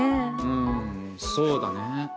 うんそうだね。